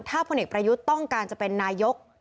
ถ้าพลเอกประยุทธ์ต้องการจะเป็นนายก